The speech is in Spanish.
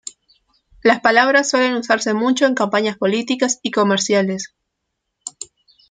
Las palabras suelen usarse mucho en campañas políticas y comerciales.